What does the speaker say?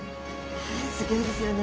すギョいですよね。